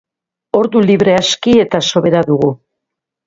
Ordu libre aski eta sobera dugu.